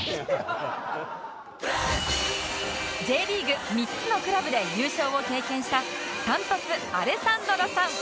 Ｊ リーグ３つのクラブで優勝を経験した